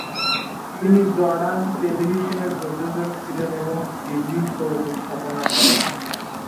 তিনি জর্ডান টেলিভিশনের প্রযোজক ছিলেন এবং টিভি শো উপস্থাপনা করেন।